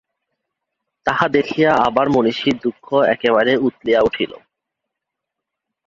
তাহা দেখিয়া আবার মহিষীর দুঃখ একেবারে উথলিয়া উঠিল।